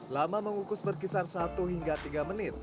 lama mengukus berkisar satu hingga tiga menit